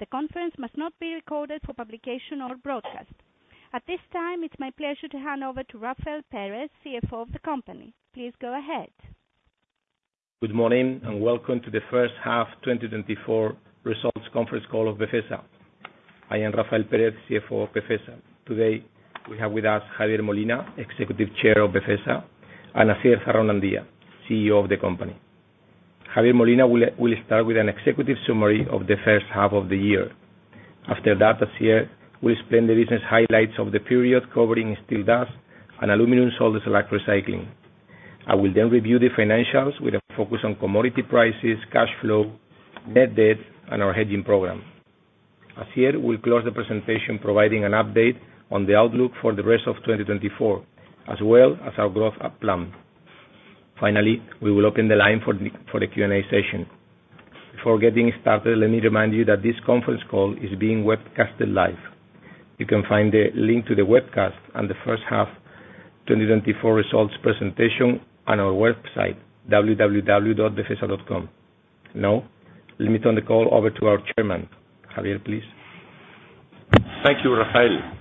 The conference must not be recorded for publication or broadcast. At this time, it's my pleasure to hand over to Rafael Pérez, CFO of the company. Please go ahead. Good morning, and welcome to the first half 2024 results conference call of Befesa. I am Rafael Pérez, CFO of Befesa. Today, we have with us Javier Molina, Executive Chair of Befesa, and Asier Zarraonandia, CEO of the company. Javier Molina will start with an executive summary of the first half of the year. After that, Asier will explain the business highlights of the period, covering steel dust and aluminum salt slag recycling. I will then review the financials with a focus on commodity prices, cash flow, net debt, and our hedging program. Asier will close the presentation, providing an update on the outlook for the rest of 2024, as well as our growth plan. Finally, we will open the line for the Q&A session. Before getting started, let me remind you that this conference call is being webcasted live. You can find the link to the webcast and the first half 2024 results presentation on our website, www.befesa.com. Now, let me turn the call over to our chairman. Javier, please. Thank you, Rafael.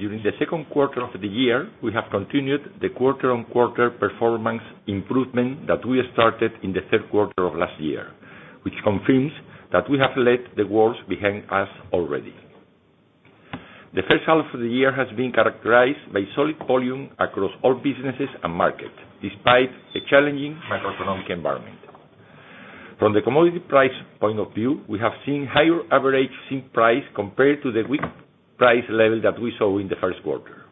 During the second quarter of the year, we have continued the quarter-on-quarter performance improvement that we started in the third quarter of last year, which confirms that we have left the wars behind us already. The first half of the year has been characterized by solid volume across all businesses and markets, despite a challenging macroeconomic environment. From the commodity price point of view, we have seen higher average zinc price compared to the weak price level that we saw in the first quarter.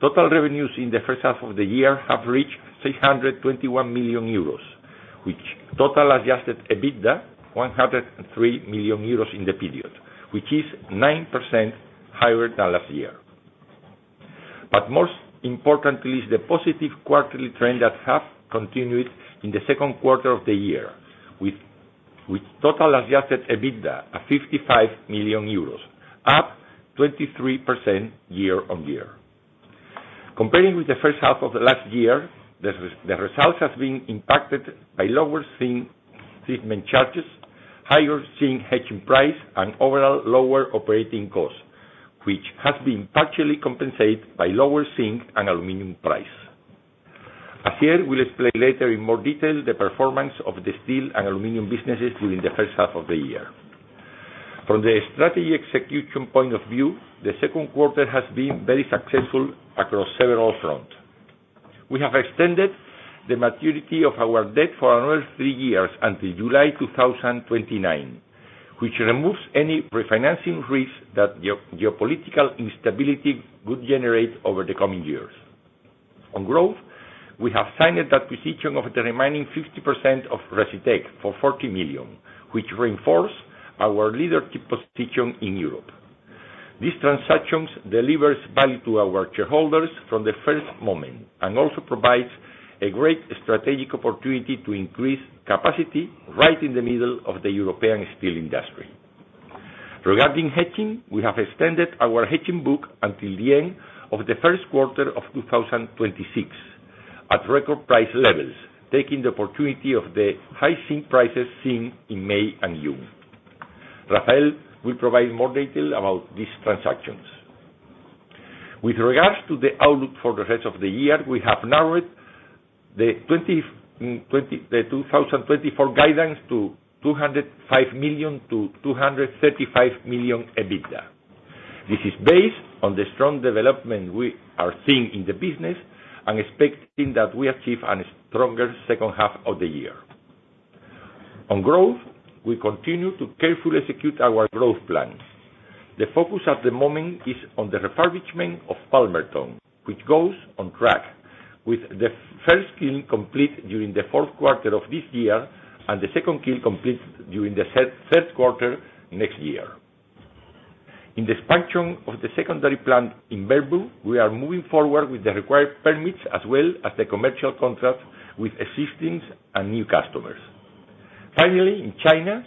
Total revenues in the first half of the year have reached 621 million euros, which total adjusted EBITDA 103 million euros in the period, which is 9% higher than last year. But most importantly is the positive quarterly trend that has continued in the second quarter of the year, with total adjusted EBITDA at 55 million euros, up 23% year-on-year. Comparing with the first half of the last year, the results has been impacted by lower zinc treatment charges, higher zinc hedging price, and overall lower operating costs, which has been partially compensated by lower zinc and aluminum price. Asier will explain later in more detail the performance of the steel and aluminum businesses during the first half of the year. From the strategy execution point of view, the second quarter has been very successful across several fronts. We have extended the maturity of our debt for another three years until July 2029, which removes any refinancing risk that geopolitical instability would generate over the coming years. On growth, we have signed an acquisition of the remaining 50% of Recytech for 40 million, which reinforce our leadership position in Europe. These transactions delivers value to our shareholders from the first moment, and also provides a great strategic opportunity to increase capacity right in the middle of the European steel industry. Regarding hedging, we have extended our hedging book until the end of the first quarter of 2026 at record price levels, taking the opportunity of the high zinc prices seen in May and June. Rafael will provide more detail about these transactions. With regards to the outlook for the rest of the year, we have narrowed the 2024 guidance to 205 million-235 million EBITDA. This is based on the strong development we are seeing in the business and expecting that we achieve a stronger second half of the year. On growth, we continue to carefully execute our growth plans. The focus at the moment is on the refurbishment of Palmerton, which goes on track, with the first kiln complete during the fourth quarter of this year, and the second kiln complete during the third quarter next year. In the expansion of the secondary plant in Bernburg, we are moving forward with the required permits, as well as the commercial contracts with existing and new customers. Finally, in China,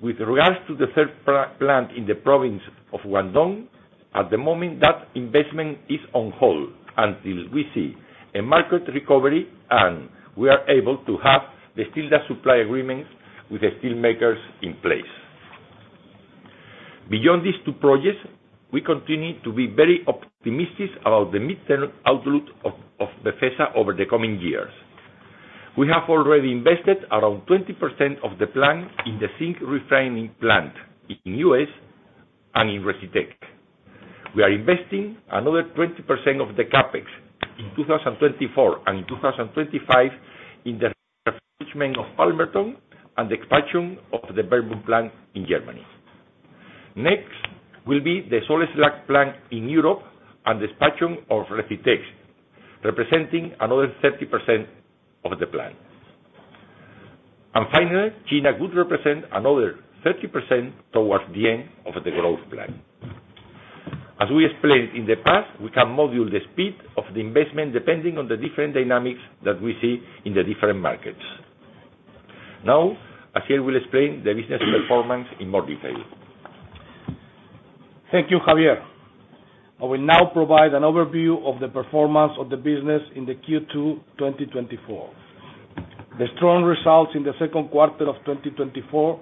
with regards to the third plant in the province of Guangdong, at the moment, that investment is on hold until we see a market recovery and we are able to have the steel dust supply agreements with the steel makers in place. Beyond these two projects, we continue to be very optimistic about the midterm outlook of Befesa over the coming years. We have already invested around 20% of the plan in the zinc refining plant in U.S. and in Recytech. We are investing another 20% of the CapEx in 2024 and in 2025 in the refurbishment of Palmerton and the expansion of the Bernburg plant in Germany. Next will be the salt slag plant in Europe and the expansion of Recytech, representing another 30% of the plan. And finally, China could represent another 30% towards the end of the growth plan. As we explained in the past, we can modulate the speed of the investment depending on the different dynamics that we see in the different markets. Now, Asier will explain the business performance in more detail. Thank you, Javier. I will now provide an overview of the performance of the business in the Q2 2024. The strong results in the second quarter of 2024,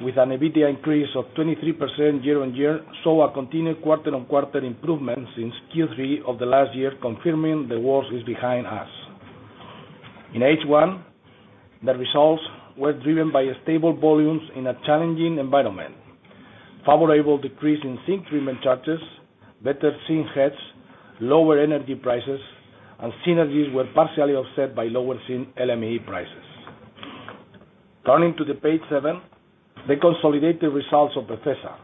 with an EBITDA increase of 23% year-on-year, show a continued quarter-on-quarter improvement since Q3 of the last year, confirming the worst is behind us. In H1, the results were driven by stable volumes in a challenging environment. Favorable decrease in zinc treatment charges, better zinc hedge, lower energy prices, and synergies were partially offset by lower zinc LME prices. Turning to page 7, the consolidated results of Befesa.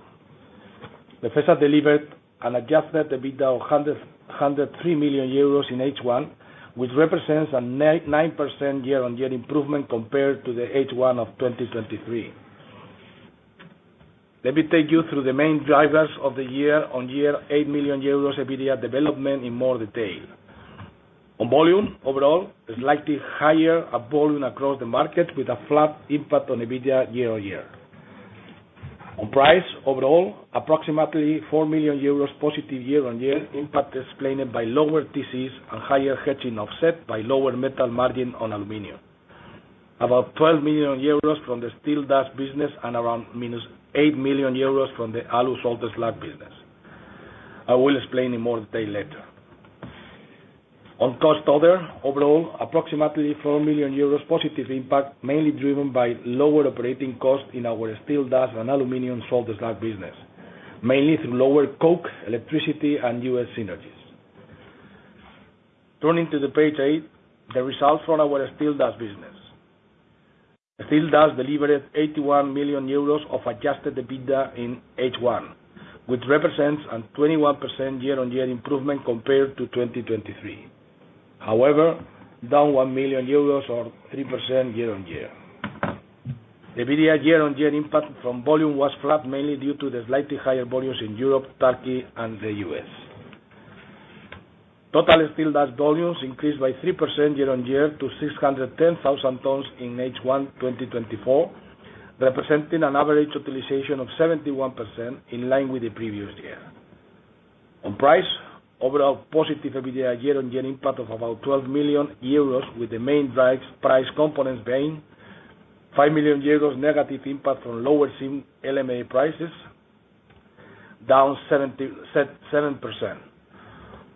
Befesa delivered an adjusted EBITDA of 103 million euros in H1, which represents a 9% year-on-year improvement compared to the H1 of 2023. Let me take you through the main drivers of the year-on-year 8 million euros EBITDA development in more detail. On volume, overall, a slightly higher volume across the market, with a flat impact on EBITDA year-on-year. On price, overall, approximately 4 million euros positive year-on-year impact, explained by lower TCs and higher hedging offset by lower metal margin on aluminum. About 12 million euros from the steel dust business and around -8 million euros from the aluminum salt slag business. I will explain in more detail later. On cost other, overall, approximately 4 million euros positive impact, mainly driven by lower operating costs in our steel dust and aluminum salt slag business, mainly through lower coke, electricity, and U.S. synergies. Turning to page 8, the results from our steel dust business. Steel dust delivered 81 million euros of adjusted EBITDA in H1, which represents a 21% year-on-year improvement compared to 2023. However, down 1 million euros or 3% year-on-year. EBITDA year-on-year impact from volume was flat, mainly due to the slightly higher volumes in Europe, Turkey, and the U.S. Total steel dust volumes increased by 3% year-on-year to 610,000 tons in H1 2024, representing an average utilization of 71%, in line with the previous year. On price, overall positive EBITDA year-on-year impact of about 12 million euros, with the main drivers price components being 5 million euros negative impact from lower zinc LME prices, down 77%,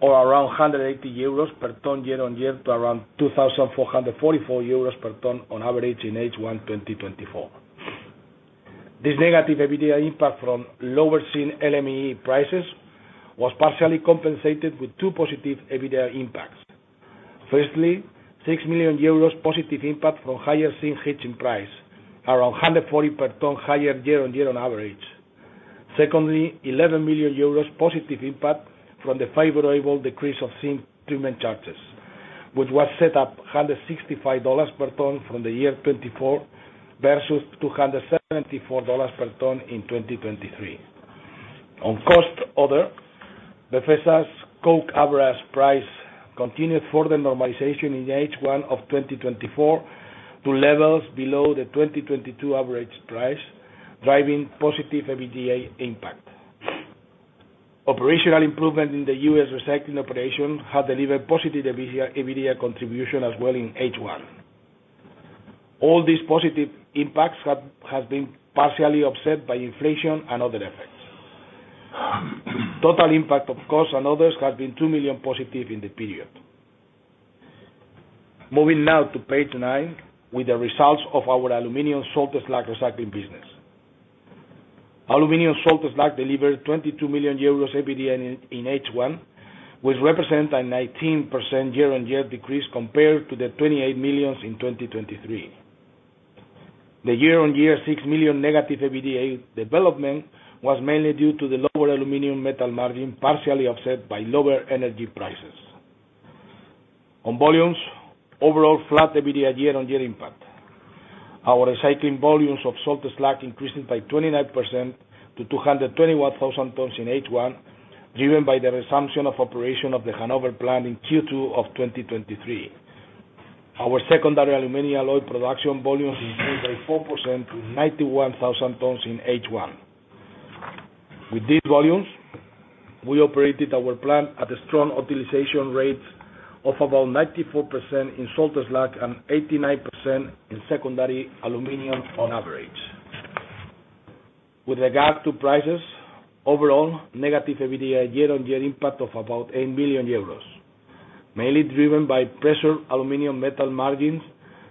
or around 180 euros per ton year-on-year to around 2,444 euros per ton on average in H1 2024. This negative EBITDA impact from lower zinc LME prices was partially compensated with two positive EBITDA impacts. Firstly, 6 million euros positive impact from higher zinc hedging price, around 140 per ton higher year-on-year on average. Secondly, 11 million euros positive impact from the favorable decrease of zinc treatment charges, which was settled at $165 per ton from the year 2024, versus $274 per ton in 2023. On other costs, Befesa's coke average price continued further normalization in H1 of 2024 to levels below the 2022 average price, driving positive EBITDA impact. Operational improvement in the U.S. recycling operation have delivered positive EBITDA contribution as well in H1. All these positive impacts have been partially offset by inflation and other effects. Total impact of costs on others has been 2 million positive in the period. Moving now to page 9, with the results of our aluminum salt slag recycling business. Aluminum salt slag delivered 22 million euros EBITDA in H1, which represent a 19% year-on-year decrease compared to the 28 million in 2023. The year-on-year 6 million negative EBITDA development was mainly due to the lower aluminum metal margin, partially offset by lower energy prices. On volumes, overall flat EBITDA year-on-year impact. Our recycling volumes of salt slag increased by 29% to 221,000 tons in H1, driven by the resumption of operation of the Hanover plant in Q2 of 2023. Our secondary aluminum alloy production volumes increased by 4% to 91,000 tons in H1. With these volumes, we operated our plant at a strong utilization rate of about 94% in salt slag and 89% in secondary aluminum on average. With regard to prices, overall, negative EBITDA year-on-year impact of about 8 million euros, mainly driven by pressure aluminum metal margins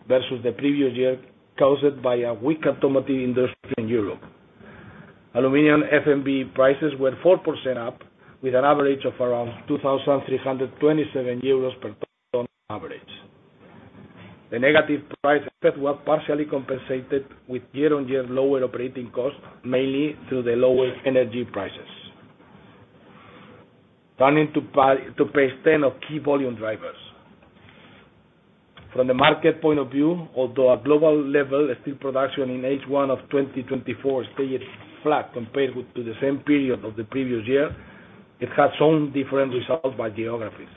versus the previous year, caused by a weak automotive industry in Europe. Aluminum FMB prices were 4% up, with an average of around 2,327 euros per ton on average. The negative price effect was partially compensated with year-on-year lower operating costs, mainly through the lower energy prices. Turning to page ten of key volume drivers. From the market point of view, although at global level, steel production in H1 of 2024 stayed flat compared to the same period of the previous year, it has shown different results by geographies.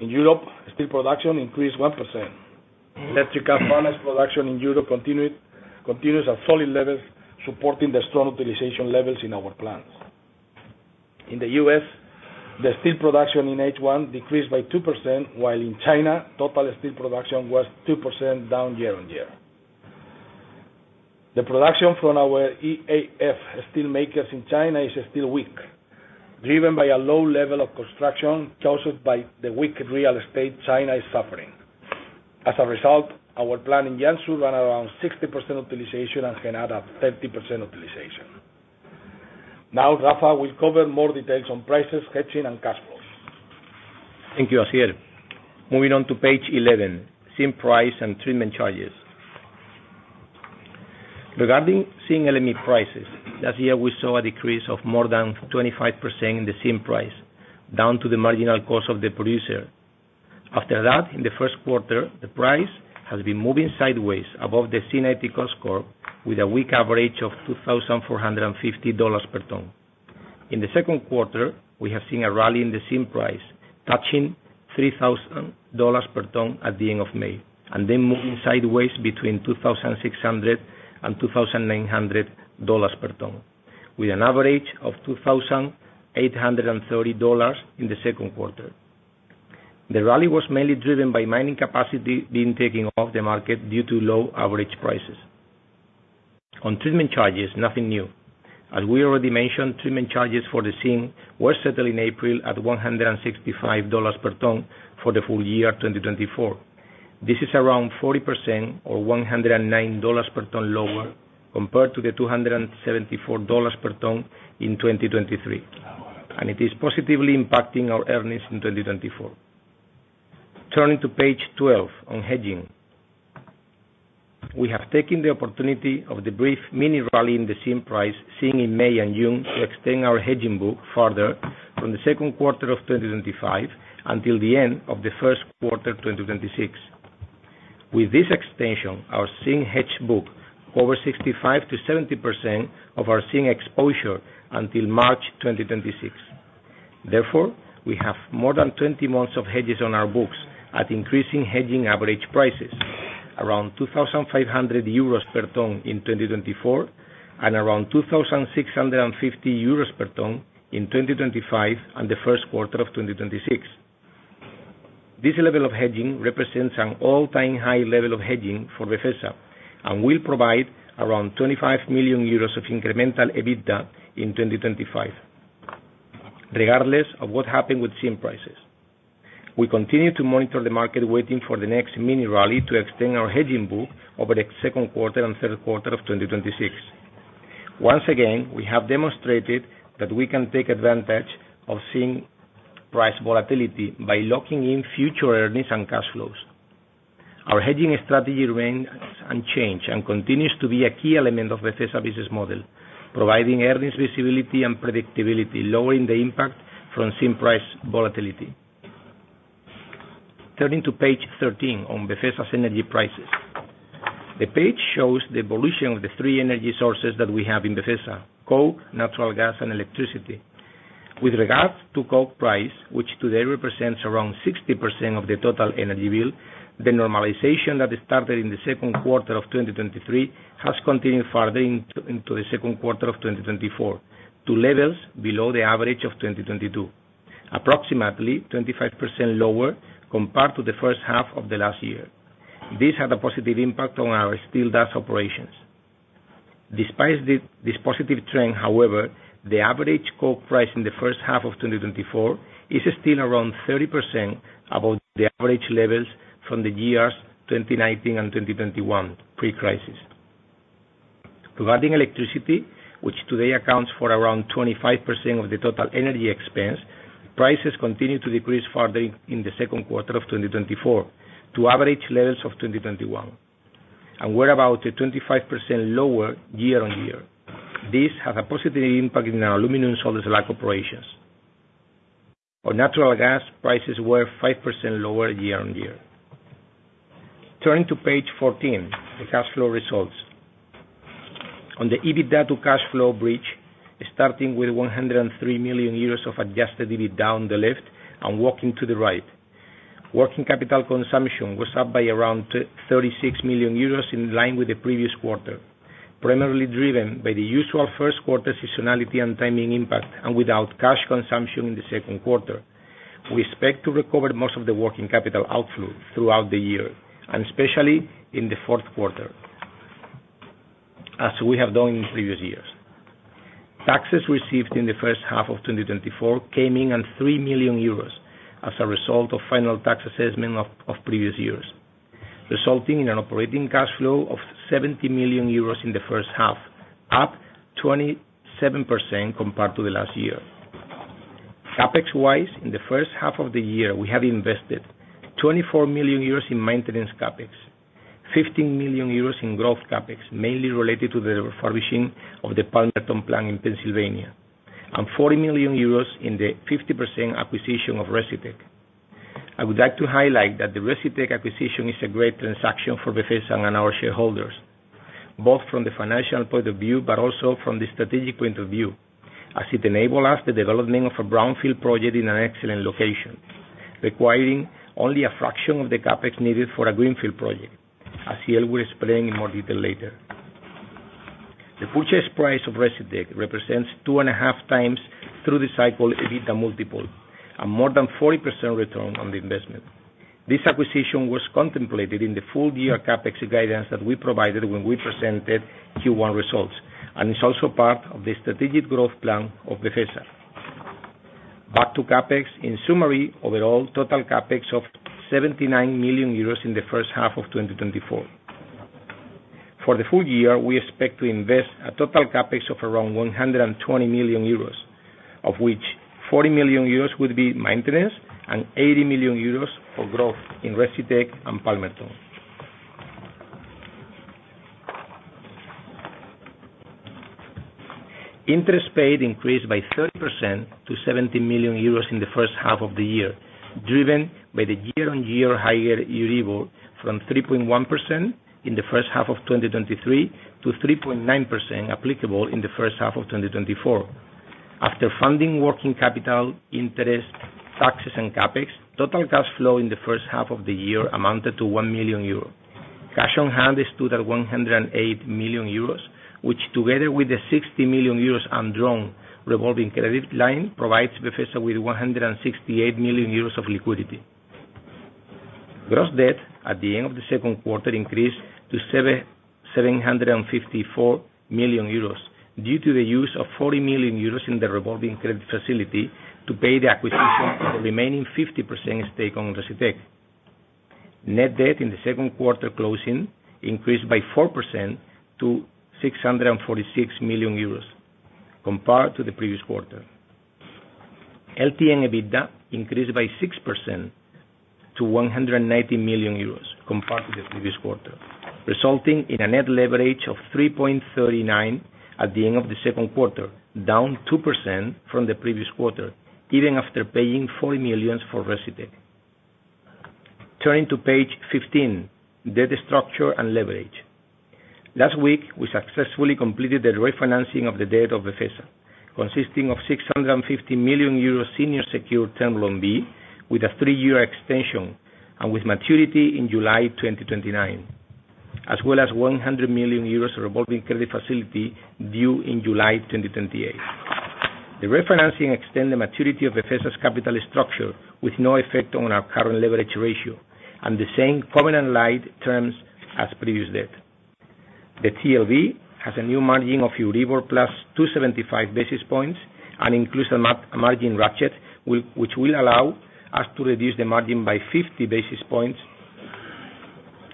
In Europe, steel production increased 1%. Electric arc furnace production in Europe continued, continues at solid levels, supporting the strong utilization levels in our plants. In the U.S., the steel production in H1 decreased by 2%, while in China, total steel production was 2% down year-on-year. The production from our EAF steelmakers in China is still weak, driven by a low level of construction caused by the weak real estate China is suffering. As a result, our plant in Jiangsu run around 60% utilization and can add up 30% utilization. Now, Rafa will cover more details on prices, hedging, and cash flows. Thank you, Asier. Moving on to page 11, zinc price and treatment charges. Regarding zinc LME prices, last year, we saw a decrease of more than 25% in the zinc price, down to the marginal cost of the producer. After that, in the first quarter, the price has been moving sideways above the C90 cost curve, with a weak average of $2,450 per ton. In the second quarter, we have seen a rally in the zinc price, touching $3,000 per ton at the end of May, and then moving sideways between $2,600 and $2,900 per ton, with an average of $2,830 in the second quarter. The rally was mainly driven by mining capacity being taken off the market due to low average prices. On treatment charges, nothing new. As we already mentioned, treatment charges for the zinc were settled in April at $165 per ton for the full year 2024. This is around 40% or $109 per ton lower compared to the $274 per ton in 2023, and it is positively impacting our earnings in 2024. Turning to page 12 on hedging. We have taken the opportunity of the brief mini rally in the zinc price, seen in May and June, to extend our hedging book further from the second quarter of 2025 until the end of the first quarter 2026. With this extension, our zinc hedge book over 65%-70% of our zinc exposure until March 2026. Therefore, we have more than 20 months of hedges on our books at increasing hedging average prices, around 2,500 euros per ton in 2024, and around 2,650 euros per ton in 2025 and the first quarter of 2026. This level of hedging represents an all-time high level of hedging for Befesa and will provide around 25 million euros of incremental EBITDA in 2025, regardless of what happened with zinc prices. We continue to monitor the market, waiting for the next mini rally to extend our hedging book over the second quarter and third quarter of 2026. Once again, we have demonstrated that we can take advantage of zinc price volatility by locking in future earnings and cash flows. Our hedging strategy remains unchanged and continues to be a key element of the Befesa business model, providing earnings visibility and predictability, lowering the impact from zinc price volatility. Turning to page 13 on Befesa's energy prices. The page shows the evolution of the three energy sources that we have in Befesa: coke, natural gas, and electricity. With regards to coke price, which today represents around 60% of the total energy bill, the normalization that started in the second quarter of 2023 has continued further into the second quarter of 2024 to levels below the average of 2022, approximately 25% lower compared to the first half of the last year. This had a positive impact on our steel dust operations. Despite this positive trend, however, the average coke price in the first half of 2024 is still around 30% above the average levels from the years 2019 and 2021, pre-crisis. Regarding electricity, which today accounts for around 25% of the total energy expense, prices continued to decrease further in the second quarter of 2024 to average levels of 2021, and were about a 25% lower year-on-year. This had a positive impact in our aluminum salt slag operations. On natural gas, prices were 5% lower year-on-year. Turning to page 14, the cash flow results. On the EBITDA to cash flow bridge, starting with 103 million euros of adjusted EBITDA on the left and working to the right. Working capital consumption was up by around 36 million euros, in line with the previous quarter, primarily driven by the usual first quarter seasonality and timing impact, and without cash consumption in the second quarter. We expect to recover most of the working capital outflow throughout the year, and especially in the fourth quarter, as we have done in previous years. Taxes received in the first half of 2024 came in at 3 million euros as a result of final tax assessment of previous years, resulting in an operating cash flow of 70 million euros in the first half, up 27% compared to the last year. CapEx-wise, in the first half of the year, we have invested 24 million euros in maintenance CapEx, 15 million euros in growth CapEx, mainly related to the refurbishing of the Palmerton plant in Pennsylvania, and 40 million euros in the 50% acquisition of Recytech. I would like to highlight that the Recytech acquisition is a great transaction for Befesa and our shareholders, both from the financial point of view, but also from the strategic point of view, as it enable us the development of a brownfield project in an excellent location, requiring only a fraction of the CapEx needed for a greenfield project, as Javier will explain in more detail later. The purchase price of Recytech represents 2.5 times through the cycle, EBITDA multiple, and more than 40% return on the investment. This acquisition was contemplated in the full year CapEx guidance that we provided when we presented Q1 results, and it's also part of the strategic growth plan of Befesa. Back to CapEx. In summary, overall, total CapEx of 79 million euros in the first half of 2024. For the full year, we expect to invest a total CapEx of around 120 million euros, of which 40 million euros will be maintenance and 80 million euros for growth in Recytech and Palmerton. Interest paid increased by 30% to 70 million euros in the first half of the year, driven by the year-on-year higher Euribor, from 3.1% in the first half of 2023 to 3.9% applicable in the first half of 2024. After funding working capital, interest, taxes, and CapEx, total cash flow in the first half of the year amounted to 1 million euros. Cash on hand stood at 108 million euros, which together with the 60 million euros undrawn revolving credit line, provides Befesa with 168 million euros of liquidity. Gross debt at the end of the second quarter increased to 754 million euros due to the use of 40 million euros in the revolving credit facility to pay the acquisition of the remaining 50% stake on Recytech. Net debt in the second quarter closing increased by 4% to 646 million euros compared to the previous quarter. LTM EBITDA increased by 6% to 190 million euros compared to the previous quarter, resulting in a net leverage of 3.39 at the end of the second quarter, down 2% from the previous quarter, even after paying 40 million for Recytech. Turning to page 15, debt structure and leverage. Last week, we successfully completed the refinancing of the debt of Befesa, consisting of 650 million euro senior secured term loan B, with a three-year extension and with maturity in July 2029, as well as 100 million euros revolving credit facility due in July 2028. The refinancing extend the maturity of Befesa's capital structure with no effect on our current leverage ratio and the same covenant-lite terms as previous debt. The TLB has a new margin of Euribor +275 basis points and includes a margin ratchet, which will allow us to reduce the margin by 50 basis points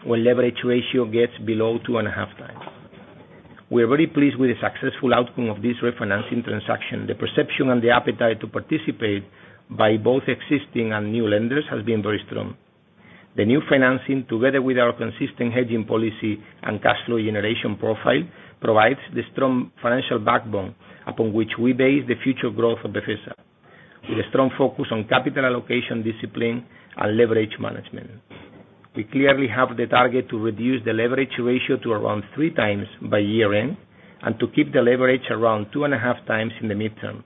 when leverage ratio gets below 2.5 times. We are very pleased with the successful outcome of this refinancing transaction. The perception and the appetite to participate by both existing and new lenders has been very strong. The new financing, together with our consistent hedging policy and cash flow generation profile, provides the strong financial backbone upon which we base the future growth of Befesa, with a strong focus on capital allocation discipline and leverage management. We clearly have the target to reduce the leverage ratio to around 3 times by year-end and to keep the leverage around 2.5 times in the midterm.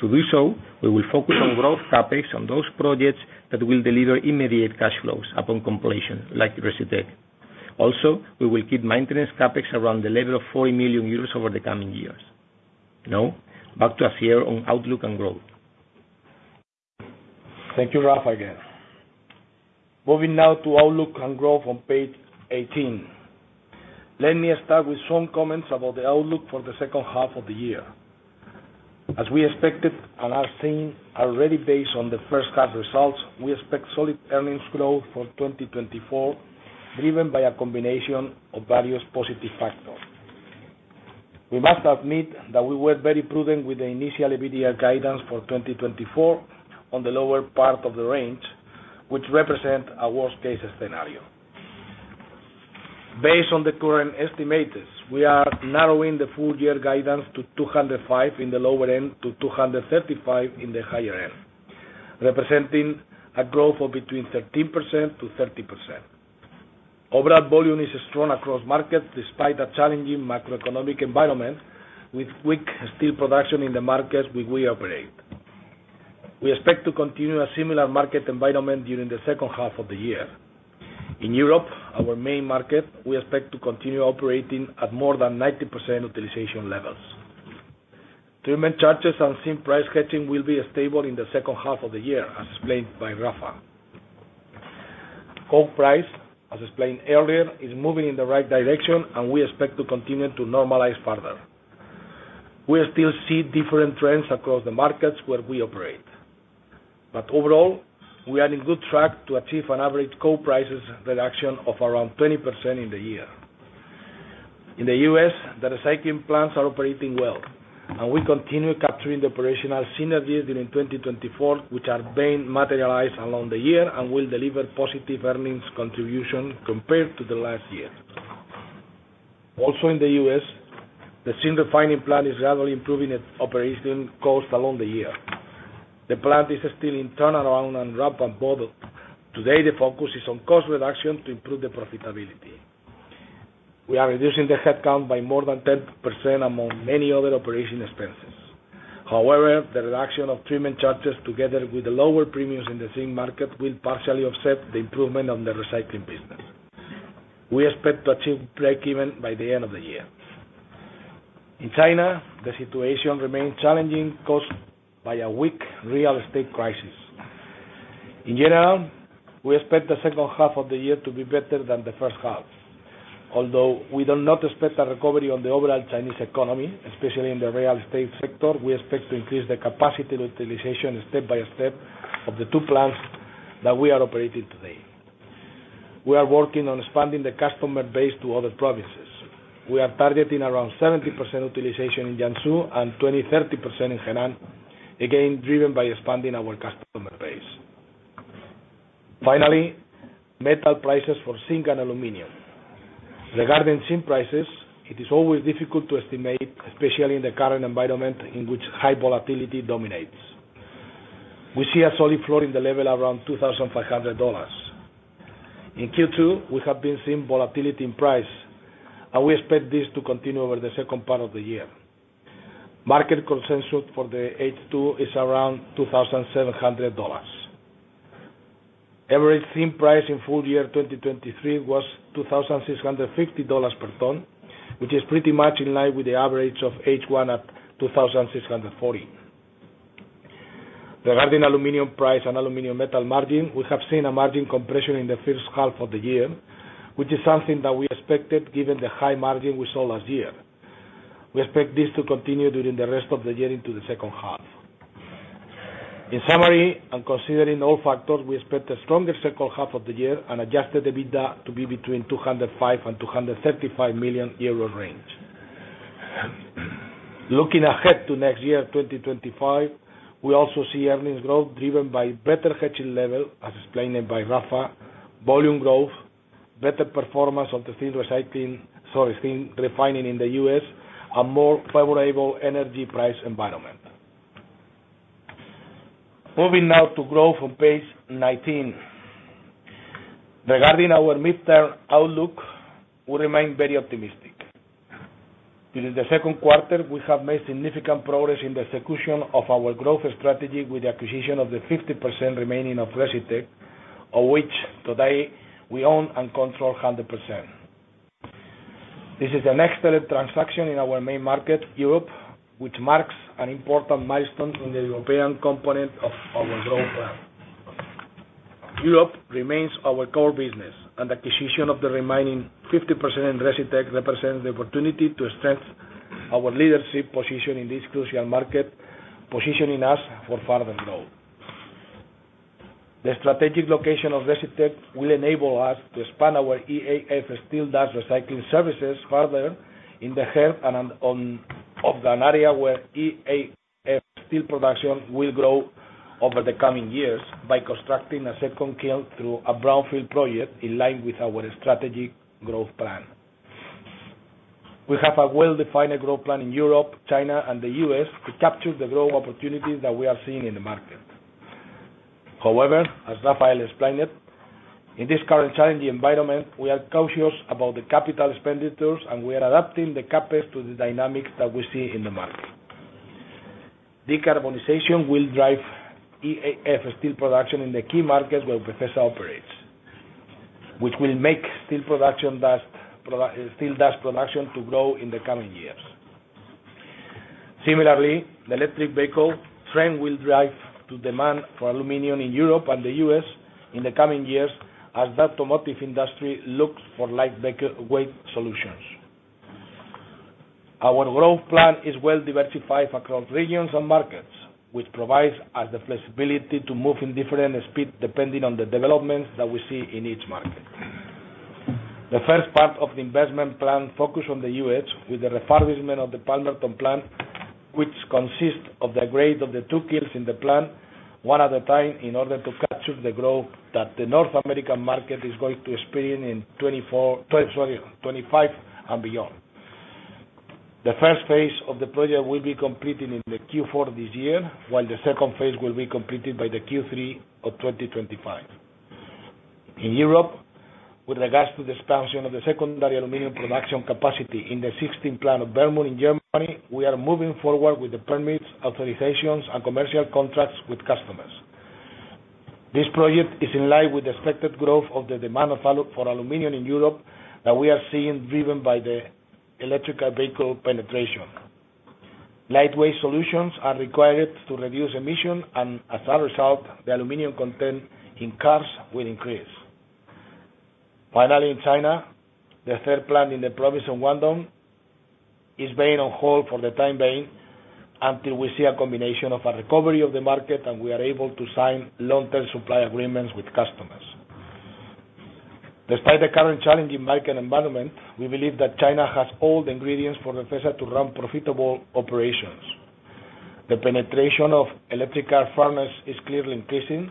To do so, we will focus on growth CapEx on those projects that will deliver immediate cash flows upon completion, like Recytech. Also, we will keep maintenance CapEx around the level of 40 million euros over the coming years. Now, back to Javier on outlook and growth. Thank you, Rafa, again. Moving now to outlook and growth on page 18. Let me start with some comments about the outlook for the second half of the year. As we expected and are seeing already based on the first half results, we expect solid earnings growth for 2024, driven by a combination of various positive factors. We must admit that we were very prudent with the initial EBITDA guidance for 2024 on the lower part of the range, which represent a worst case scenario. Based on the current estimates, we are narrowing the full year guidance to 205 million in the lower end, to 235 million in the higher end, representing a growth of between 13%-30%. Overall volume is strong across markets despite a challenging macroeconomic environment, with weak steel production in the markets where we operate. We expect to continue a similar market environment during the second half of the year. In Europe, our main market, we expect to continue operating at more than 90% utilization levels. Treatment charges and zinc price hedging will be stable in the second half of the year, as explained by Rafa. Coke price, as explained earlier, is moving in the right direction, and we expect to continue to normalize further. We still see different trends across the markets where we operate, but overall, we are on good track to achieve an average coke prices reduction of around 20% in the year. In the U.S., the recycling plants are operating well, and we continue capturing the operational synergies during 2024, which are being materialized along the year and will deliver positive earnings contribution compared to the last year. Also, in the U.S., the zinc refining plant is gradually improving its operating cost along the year. The plant is still in turnaround and ramp-up phase. Today, the focus is on cost reduction to improve profitability. We are reducing the headcount by more than 10% among many other operating expenses. However, the reduction of treatment charges, together with the lower premiums in the zinc market, will partially offset the improvement on the recycling business. We expect to achieve break-even by the end of the year. In China, the situation remains challenging, caused by a weak real estate crisis. In general, we expect the second half of the year to be better than the first half. Although we do not expect a recovery on the overall Chinese economy, especially in the real estate sector, we expect to increase the capacity utilization step by step of the two plants that we are operating today. We are working on expanding the customer base to other provinces. We are targeting around 70% utilization in Jiangsu and 20%-30% in Henan, again, driven by expanding our customer base. Finally, metal prices for zinc and aluminum. Regarding zinc prices, it is always difficult to estimate, especially in the current environment in which high volatility dominates. We see a solid floor in the level around $2,500. In Q2, we have been seeing volatility in price, and we expect this to continue over the second part of the year. Market consensus for the H2 is around $2,700. Average zinc price in full year 2023 was $2,650 per ton, which is pretty much in line with the average of H1 at $2,640. Regarding aluminum price and aluminum metal margin, we have seen a margin compression in the first half of the year, which is something that we expected given the high margin we saw last year. We expect this to continue during the rest of the year into the second half. In summary, and considering all factors, we expect a stronger second half of the year and adjusted EBITDA to be between 205 million and 235 million euro range. Looking ahead to next year, 2025, we also see earnings growth driven by better hedging level, as explained by Rafa, volume growth, better performance on the steel recycling, sorry, zinc refining in the U.S., a more favorable energy price environment. Moving now to growth on page 19. Regarding our midterm outlook, we remain very optimistic. During the second quarter, we have made significant progress in the execution of our growth strategy with the acquisition of the remaining 50% of Recytech, of which today we own and control 100%. This is an excellent transaction in our main market, Europe, which marks an important milestone in the European component of our growth plan. Europe remains our core business, and acquisition of the remaining 50% in Recytech represents the opportunity to strengthen our leadership position in this crucial market, positioning us for further growth. The strategic location of Recytech will enable us to expand our EAF steel dust recycling services further in the heart of an area where EAF steel production will grow over the coming years by constructing a second kiln through a brownfield project in line with our strategic growth plan. We have a well-defined growth plan in Europe, China, and the U.S. to capture the growth opportunities that we are seeing in the market. However, as Rafael explained it, in this current challenging environment, we are cautious about the capital expenditures, and we are adapting the CapEx to the dynamics that we see in the market. Decarbonization will drive EAF steel production in the key markets where Befesa operates, which will make steel dust production to grow in the coming years. Similarly, the electric vehicle trend will drive to demand for aluminum in Europe and the U.S. in the coming years as the automotive industry looks for lightweight solutions. Our growth plan is well diversified across regions and markets, which provides us the flexibility to move in different speed, depending on the developments that we see in each market. The first part of the investment plan focus on the U.S., with the refurbishment of the Palmerton plant, which consists of the upgrade of the two kilns in the plant, one at a time, in order to capture the growth that the North American market is going to experience in 2024, 2025 and beyond. The first phase of the project will be completed in the Q4 this year, while the second phase will be completed by the Q3 of 2025. In Europe, with regards to the expansion of the secondary aluminum production capacity in the Bernburg plant in Germany, we are moving forward with the permits, authorizations, and commercial contracts with customers. This project is in line with the expected growth of the demand for aluminum in Europe that we are seeing, driven by the electric vehicle penetration. Lightweight solutions are required to reduce emissions, and as a result, the aluminum content in cars will increase. Finally, in China, the third plant in the province of Guangdong is being on hold for the time being, until we see a combination of a recovery of the market, and we are able to sign long-term supply agreements with customers. Despite the current challenging market environment, we believe that China has all the ingredients for Befesa to run profitable operations. The penetration of electric furnace is clearly increasing.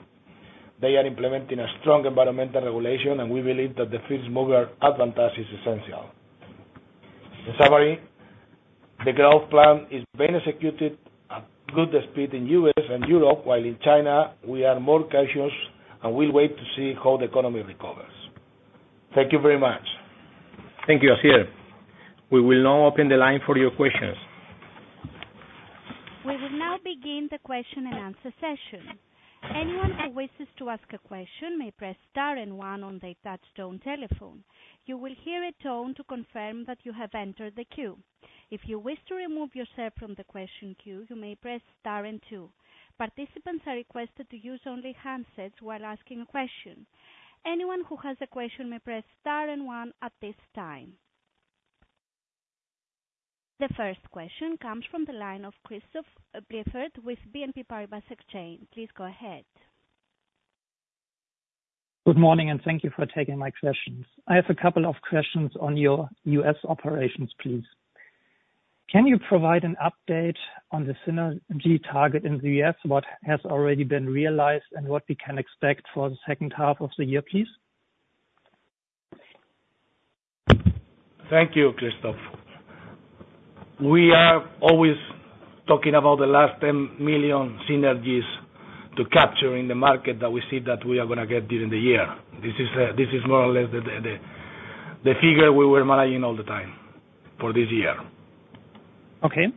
They are implementing a strong environmental regulation, and we believe that the first mover advantage is essential. In summary, the growth plan is being executed at good speed in U.S. and Europe, while in China, we are more cautious and we'll wait to see how the economy recovers. Thank you very much. Thank you, Javier. We will now open the line for your questions. We will now begin the question-and-answer session. Anyone who wishes to ask a question may press star and one on the touchtone telephone. You will hear a tone to confirm that you have entered the queue. If you wish to remove yourself from the question queue, you may press star and two. Participants are requested to use only handsets while asking a question. Anyone who has a question may press star and one at this time. The first question comes from the line of Christoph Blieffert with BNP Paribas Exane. Please go ahead. Good morning, and thank you for taking my questions. I have a couple of questions on your U.S. operations, please. Can you provide an update on the synergy target in the U.S., what has already been realized, and what we can expect for the second half of the year, please? Thank you, Christoph. We are always talking about the last 10 million synergies to capture in the market that we see that we are going to get during the year. This is more or less the figure we were managing all the time for this year. Okay.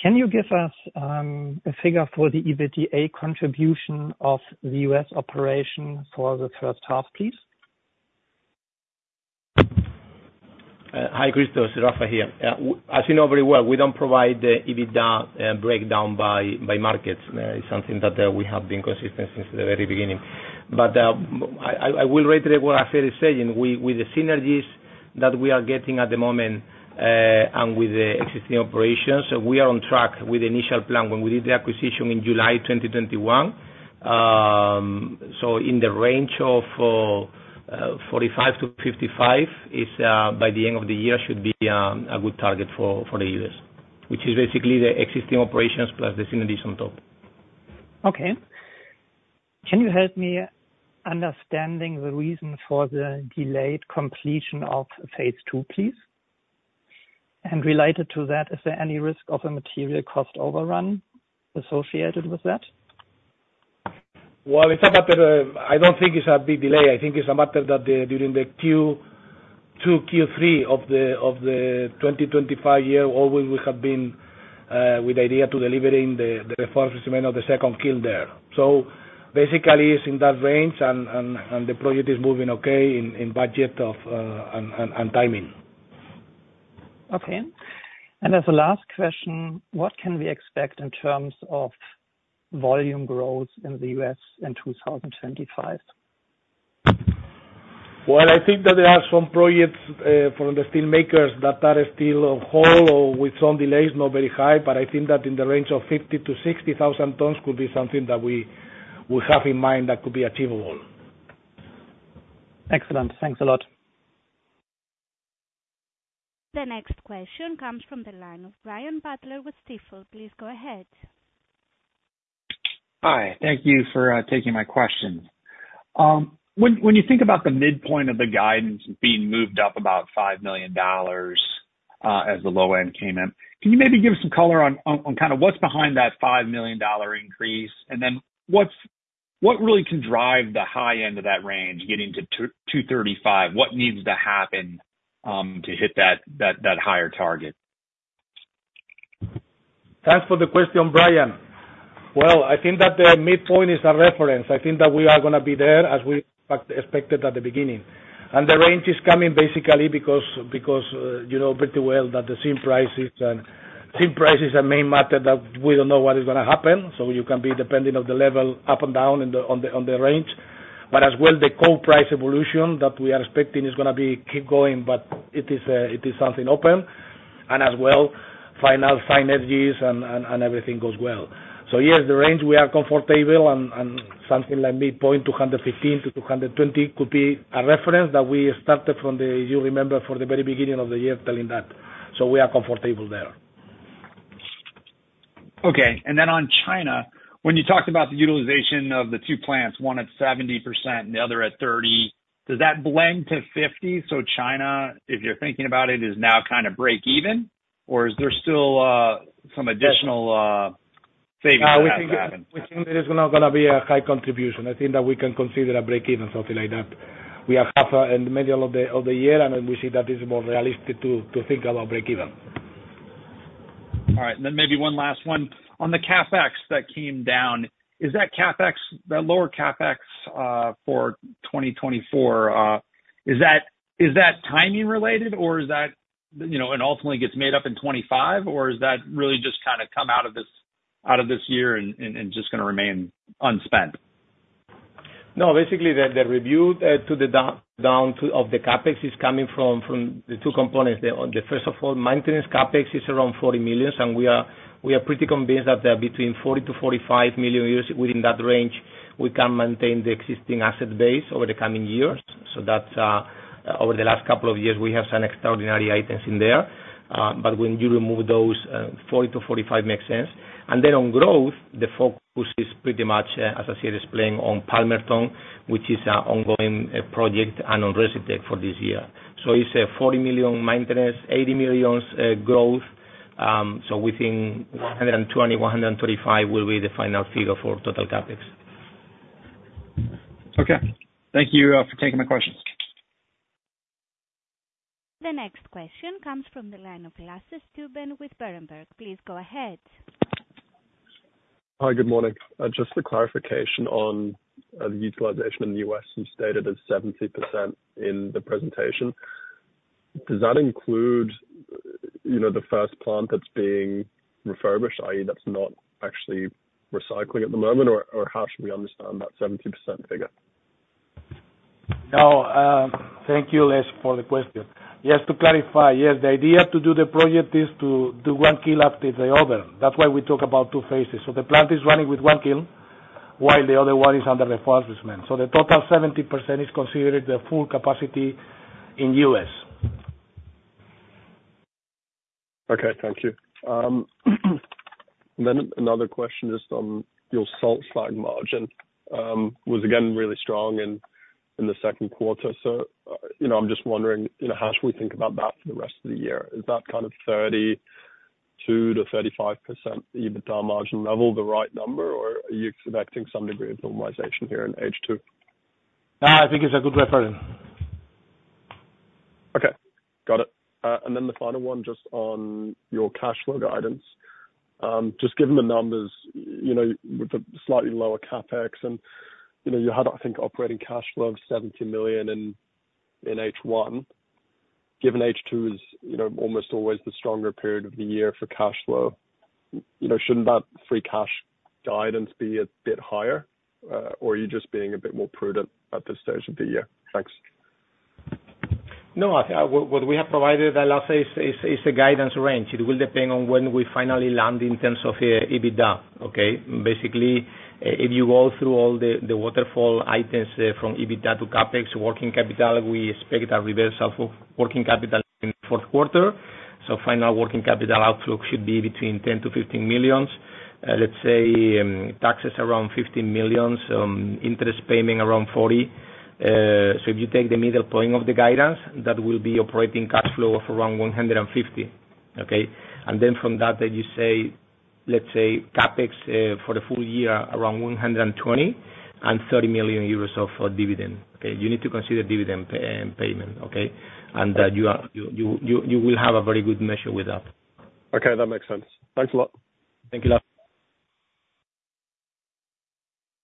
Can you give us a figure for the EBITDA contribution of the U.S. operation for the first half, please? Hi, Christoph, Rafa here. As you know very well, we don't provide the EBITDA breakdown by markets. It's something that we have been consistent since the very beginning. But I will reiterate what Javier is saying. With the synergies that we are getting at the moment and with the existing operations, we are on track with the initial plan when we did the acquisition in July 2021. So in the range of 45-55 by the end of the year should be a good target for the U.S., which is basically the existing operations plus the synergies on top. Okay. Can you help me understanding the reason for the delayed completion of phase two, please? Related to that, is there any risk of a material cost overrun associated with that? Well, it's a matter of I don't think it's a big delay. I think it's a matter that during the Q2, Q3 of the 2025 year, always we have been with the idea to delivering the first of the second kiln there. So basically, it's in that range and the project is moving okay in budget and timing. Okay. As a last question, what can we expect in terms of volume growth in the U.S. in 2025? Well, I think that there are some projects from the steel makers that are still on hold or with some delays, not very high, but I think that in the range of 50,000-60,000 tons could be something that we have in mind that could be achievable. Excellent. Thanks a lot. The next question comes from the line of Brian Butler with Stifel. Please go ahead. Hi, thank you for taking my questions. When, when you think about the midpoint of the guidance being moved up about $5 million, as the low end came in, can you maybe give us some color on, on, on kind of what's behind that $5 million increase? And then what really can drive the high end of that range, getting to 235? What needs to happen, to hit that, that, that higher target? Thanks for the question, Brian. Well, I think that the midpoint is a reference. I think that we are going to be there, as we expected at the beginning. The range is coming basically because, because, you know pretty well that the same price is, same price is a main matter, that we don't know what is going to happen. So you can be dependent on the level, up and down, in the, on the, on the range. But as well, the core price evolution that we are expecting is going to be keep going, but it is, it is something open, and as well, final synergies and, and, and everything goes well. So yes, the range we are comfortable and, and something like midpoint, 215-220 could be a reference that we started from the-you remember, from the very beginning of the year, telling that. So we are comfortable there. Okay. And then on China, when you talked about the utilization of the two plants, one at 70% and the other at 30%, does that blend to 50%? So China, if you're thinking about it, is now kind of breakeven, or is there still some additional savings that have to happen? We think there is going to be a high contribution. I think that we can consider a breakeven, something like that. We are half in the middle of the year, and we see that it's more realistic to think about breakeven. All right. And then maybe one last one. On the CapEx that came down, is that CapEx, the lower CapEx, for 2024, is that, is that timing related, or is that, you know, and ultimately gets made up in 2025, or is that really just kind of come out of this, out of this year and, and, and just going to remain unspent? No, basically, the review to the downside of the CapEx is coming from the two components. The first of all, maintenance CapEx is around 40 million, and we are pretty convinced that between 40 million-45 million euros a year, within that range, we can maintain the existing asset base over the coming years. So that's over the last couple of years, we have some extraordinary items in there, but when you remove those, 40 million-45 million makes sense. And then on growth, the focus is pretty much, as I said, explained on Palmerton, which is an ongoing project and on Recytech for this year. So it's 40 million maintenance, 80 million growth. So within 120 million-135 million will be the final figure for total CapEx. Okay. Thank you for taking my questions. The next question comes from the line of Lasse Stüben with Berenberg. Please go ahead. Hi, good morning. Just a clarification on the utilization in the U.S. You stated as 70% in the presentation. Does that include, you know, the first plant that's being refurbished, i.e., that's not actually recycling at the moment? Or, how should we understand that 70% figure? No, thank you, Lasse, for the question. Yes, to clarify, yes, the idea to do the project is to do one kiln after the other. That's why we talk about two phases. So the plant is running with one kiln, while the other one is under refurbishment. So the total 70% is considered the full capacity in U.S.. Okay, thank you. And then another question just on your salt slag margin was again really strong in the second quarter. So, you know, I'm just wondering, you know, how should we think about that for the rest of the year? Is that kind of 32%-35% EBITDA margin level the right number? Or are you expecting some degree of normalization here in H2? I think it's a good reference. Okay, got it. And then the final one, just on your cash flow guidance. Just given the numbers, you know, with the slightly lower CapEx and, you know, you had, I think, operating cash flow of 70 million in H1. Given H2 is, you know, almost always the stronger period of the year for cash flow, you know, shouldn't that free cash guidance be a bit higher? Or are you just being a bit more prudent at this stage of the year? Thanks. No, what we have provided, Lasse, is a guidance range. It will depend on when we finally land in terms of EBITDA, okay? Basically, if you go through all the waterfall items from EBITDA to CapEx, working capital, we expect a reversal of working capital in the fourth quarter. So final working capital outlook should be between 10 million-15 million. Let's say, taxes around 15 million, interest payment around 40 million. So if you take the middle point of the guidance, that will be operating cash flow of around 150 million, okay? And then from that, then you say, let's say, CapEx for the full year, around 120 million, and 30 million euros of dividend, okay? You need to consider dividend payment, okay? You will have a very good measure with that. Okay, that makes sense. Thanks a lot. Thank you, Lasse.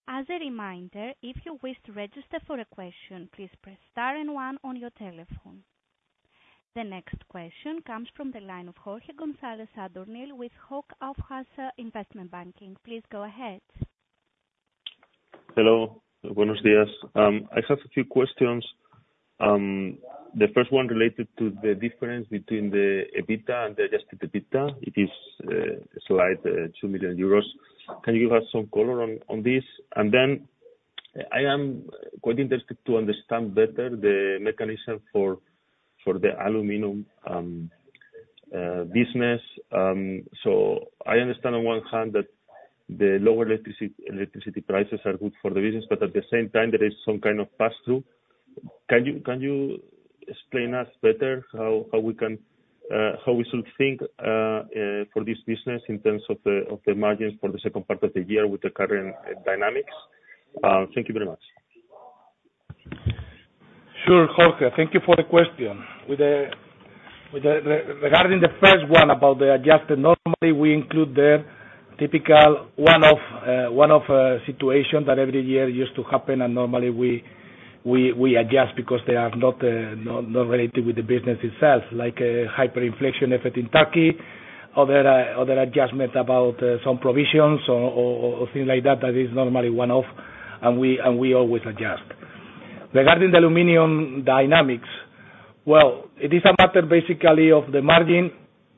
As a reminder, if you wish to register for a question, please press star and one on your telephone. The next question comes from the line of Jorge González Sadornil with Hauck Aufhäuser Investment Banking. Please go ahead. Hello. I have a few questions. The first one related to the difference between the EBITDA and the adjusted EBITDA. It is a slight 2 million euros. Can you give us some color on this? And then, I am quite interested to understand better the mechanism for the aluminum business. So I understand on one hand, that the lower electricity prices are good for the business, but at the same time, there is some kind of pass-through. Can you explain us better how we can how we should think for this business in terms of the margins for the second part of the year with the current dynamics? Thank you very much. Sure, Jorge, thank you for the question. With regard to the first one about the adjusted, normally, we include the typical one-off situation that every year used to happen, and normally we adjust because they are not related with the business itself. Like, hyperinflation effect in Turkey, other adjustment about some provisions or things like that, that is normally one-off, and we always adjust. Regarding the aluminum dynamics, well, it is a matter basically of the margin.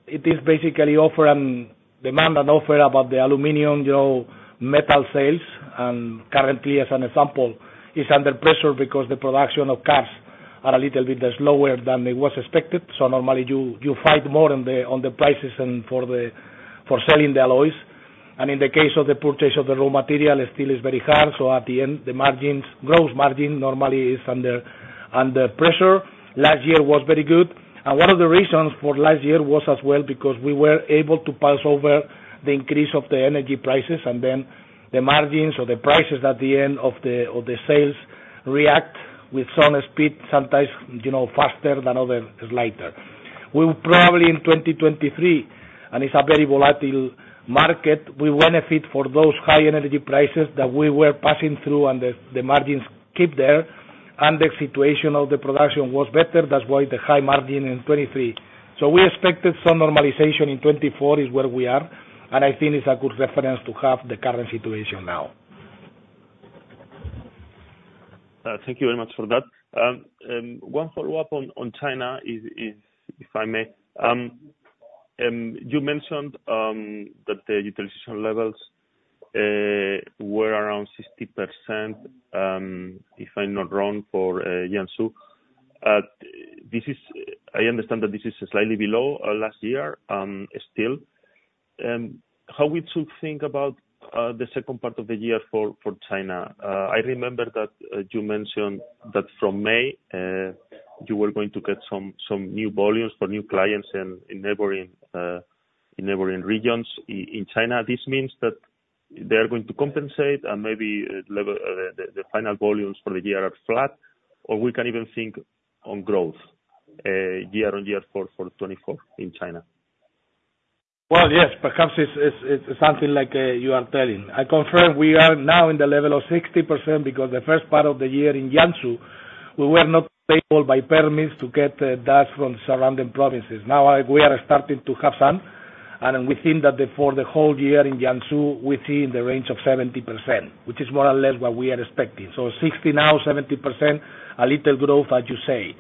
It is basically offer and demand, and offer about the aluminum, you know, metal sales. And currently, as an example, it's under pressure because the production of cars are a little bit slower than it was expected. Normally you fight more on the prices and for selling the alloys. In the case of the purchase of the raw material, steel is very hard. At the end, the margins, growth margin normally is under pressure. Last year was very good, and one of the reasons for last year was as well, because we were able to pass over the increase of the energy prices, and then the margins or the prices at the end of the sales react with some speed, sometimes, you know, faster than others, lighter. We probably in 2023, and it's a very volatile market, we benefit for those high energy prices that we were passing through, and the margins keep there, and the situation of the production was better. That's why the high margin in 2023. We expected some normalization in 2024, is where we are, and I think it's a good reference to have the current situation now. Thank you very much for that. One follow-up on China is, if I may. You mentioned that the utilization levels were around 60%, if I'm not wrong, for Jiangsu. This is, I understand that this is slightly below last year, still. How we should think about the second part of the year for China? I remember that you mentioned that from May you were going to get some new volumes for new clients in neighboring regions in China. This means that they are going to compensate and maybe level the final volumes for the year are flat, or we can even think on growth year-over-year for 2024 in China? Well, yes, perhaps it's something like you are telling. I confirm we are now in the level of 60%, because the first part of the year in Jiangsu, we were not able by permits to get that from surrounding provinces. Now, we are starting to have some, and we think that the, for the whole year in Jiangsu, we see in the range of 70%, which is more or less what we are expecting. So 60% now, 70%, a little growth, as you say.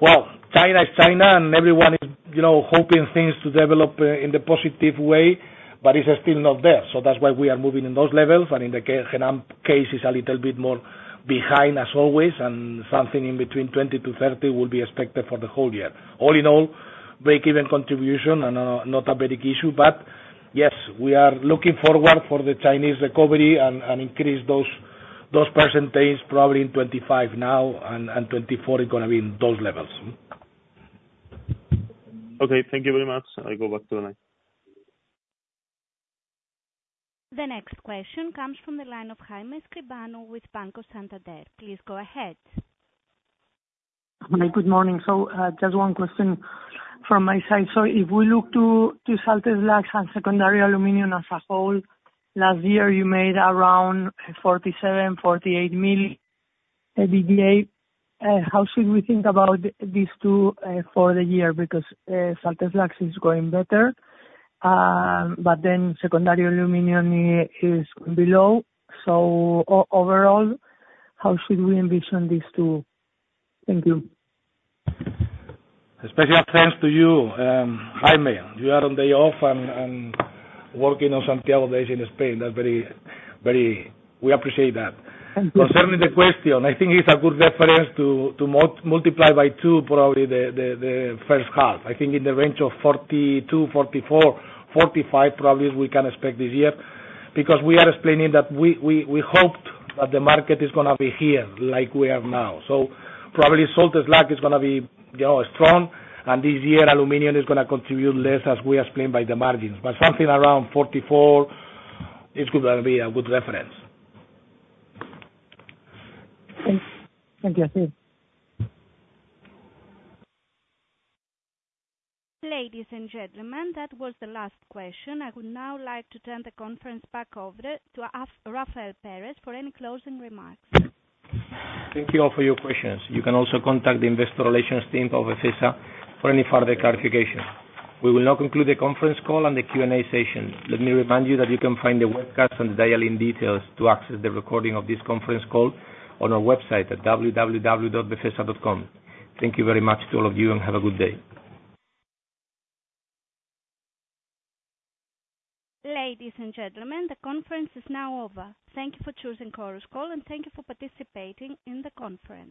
Well, China is China, and everyone is, you know, hoping things to develop in the positive way, but it's still not there. So that's why we are moving in those levels, and in the case, Henan case is a little bit more behind, as always, and something in between 20%-30% will be expected for the whole year. All in all, breakeven contribution and not a big issue, but yes, we are looking forward for the Chinese recovery and increase those percentages probably in 2025 now, and 2024 is gonna be in those levels. Okay, thank you very much. I go back to the line. The next question comes from the line of Jaime Escribano with Banco Santander. Please go ahead. Hi, good morning. So, just one question from my side. So if we look to salt slags and secondary aluminum as a whole, last year you made around 47 million-48 million EBITDA. How should we think about these two for the year? Because, salt slags is going better, but then secondary aluminum is below. So overall, how should we envision these two? Thank you. Special thanks to you, Jaime. You are on day off and working on some television in Spain. That's very, very We appreciate that. Thank you. Concerning the question, I think it's a good reference to multiply by two, probably the first half. I think in the range of 42 million, 44 million, 45 million, probably we can expect this year. Because we are explaining that we hoped that the market is gonna be here, like we are now. So probably, salt slag is gonna be, you know, strong, and this year, aluminum is gonna contribute less, as we explained by the margins. But something around 44 million, it could be a good reference. Thank you. Ladies and gentlemen, that was the last question. I would now like to turn the conference back over to Rafael Pérez for any closing remarks. Thank you all for your questions. You can also contact the investor relations team of Befesa for any further clarification. We will now conclude the conference call and the Q&A session. Let me remind you that you can find the webcast and dial-in details to access the recording of this conference call on our website at www.befesa.com. Thank you very much to all of you, and have a good day. Ladies and gentlemen, the conference is now over. Thank you for choosing Chorus Call, and thank you for participating in the conference.